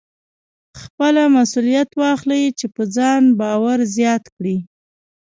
خپله مسوليت واخلئ چې په ځان باور زیات کړئ.